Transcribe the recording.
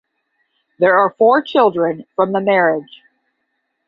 There are four children from the marriage.